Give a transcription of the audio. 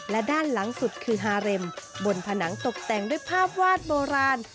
และด้านหลังสุดคือฮาเร็มบนผนังตกแต่งด้วยภาพวาดโบราณ